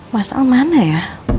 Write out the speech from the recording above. masalah mana ya